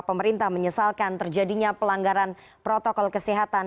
pemerintah menyesalkan terjadinya pelanggaran protokol kesehatan